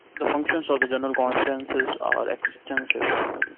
Functions of General Conferences are extensive.